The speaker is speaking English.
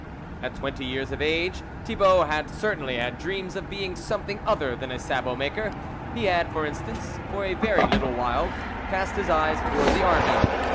At twenty years of age Thibault had certainly had dreams of being something other than a sabot maker. He had, for instance, for a very little while, cast his eyes towards the army.